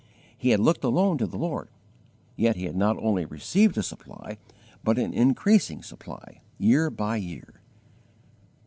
He had looked alone to the Lord, yet he had not only received a supply, but an increasing supply, year by year.